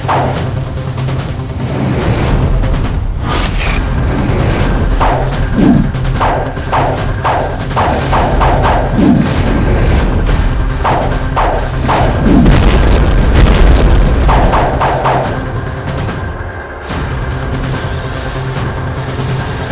aku tidak peduli dengan apapun yang kau katakan